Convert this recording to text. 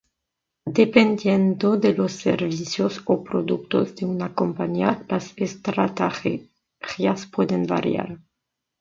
Dependiendo de los servicios o productos de una compañía, las estrategias pueden variar.